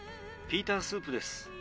ピータンスープです。